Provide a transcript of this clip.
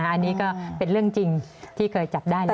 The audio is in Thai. อันนี้ก็เป็นเรื่องจริงที่เคยจับได้แล้ว